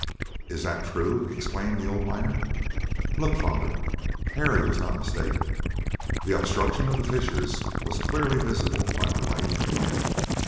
"Is that true?" exclaimed the old miner. "Look, father!" Harry was not mistaken. The obstruction of the fissures was clearly visible by the light of the lamp.